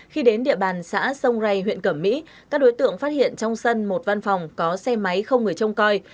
khi đến địa bàn xã sông rây huyện cẩm mỹ các đối tượng phát hiện trong sân một văn phòng có xe máy không người trông coi